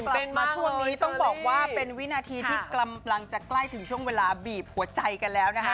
จนมาช่วงนี้ต้องบอกว่าเป็นวินาทีที่กำลังจะใกล้ถึงช่วงเวลาบีบหัวใจกันแล้วนะคะ